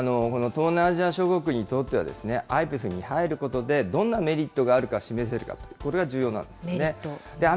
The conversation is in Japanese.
この東南アジア諸国にとってはＩＰＥＦに入ることで、どんなメリットがあると示せるか、これが重要なんですね。